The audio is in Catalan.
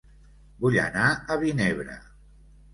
Vull anar a Vinebre